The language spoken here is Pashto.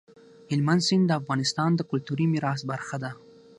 هلمند سیند د افغانستان د کلتوري میراث برخه ده.